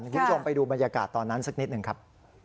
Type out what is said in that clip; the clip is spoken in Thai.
คุณผู้ชมไปดูบรรยากาศตอนนั้นสักนิดหนึ่งครับ